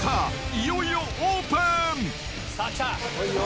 いよいよオープン！